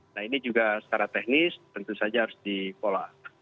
nah ini juga secara teknis tentu saja harus di follow up